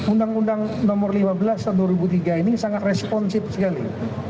undang undang nomor lima belas tahun dua ribu tiga ini sangat responsif sekali